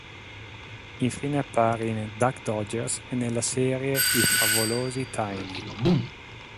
Infine appare in "Duck Dodgers" e nella la serie "I favolosi Tiny".